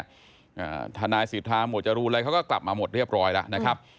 อ่าทนายศิษย์ทางหมดจะรู้เลยเขาก็กลับมาหมดเรียบร้อยแล้วนะครับ